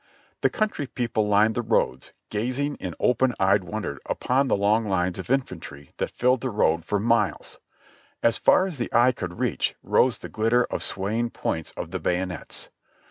The country people lined the roads, gazing in open eyed wonder upon the long lines of infantry that filled the road for miles ; as far as the eye could reach rose the glitter of the sway ing points of the bayonets.